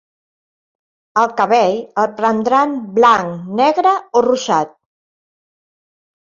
El cabell, el prendran blanc, negre o rosat?